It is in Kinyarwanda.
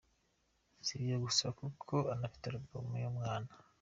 Si ibyo gusa kuko inafite ‘Album y’umwana’.